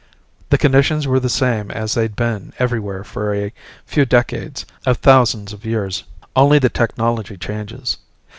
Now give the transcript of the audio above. The conditions were the same as they'd been everywhere for a few decades of thousands of years. Only the technology changes.